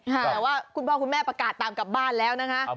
แต่ว่าคุณพ่อคุณแม่ประกาศตามกลับบ้านแล้วนะคะ